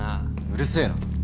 うるせえな。